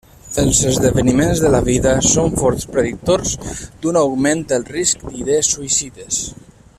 Els esdeveniments de la vida són forts predictors d'un augment del risc d'idees suïcides.